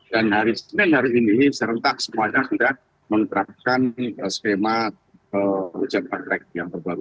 dan hari senin hari ini serentak semuanya sudah menerapkan skema ujian praktek yang terbaru